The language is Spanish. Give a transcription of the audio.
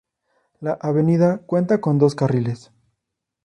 La avenida cuenta con dos carriles.